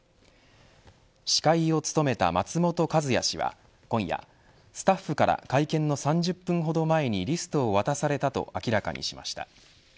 司会を務めた松本和也氏は今夜スタッフから会見の３０分ほど前にリストを渡されたと明らかにしました。